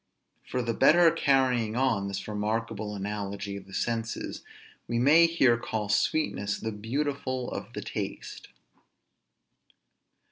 For the better carrying on this remarkable analogy of the senses, we may here call sweetness the beautiful of the taste.